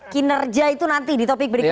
kinerja itu nanti di topik berikutnya